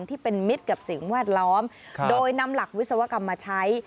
ที่เป็นมิตรกับสิ่งแวดล้อมโดยนำหลักวิศวกรรมมาใช้